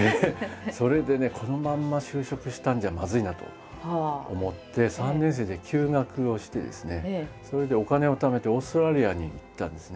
それでねこのまんま就職したんじゃまずいなと思って３年生で休学をしてですねそれでお金をためてオーストラリアに行ったんですね。